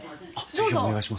是非お願いします。